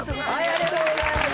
ありがとうございます。